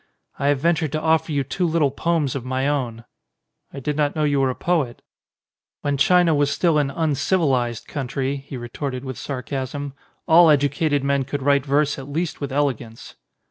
"I have ventured to offer you two little poems of my own." "I did not know you were a poet." "When China was still an uncivilised country," 156 THE PHILOSOPHER he retorted with sarcasm, "all educated men could write verse at least with elegance."